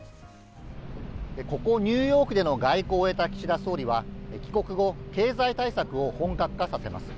ここニューヨークでの外交を終えた岸田総理は帰国後、経済対策を本格化させます。